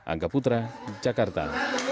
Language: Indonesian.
angga putra jakarta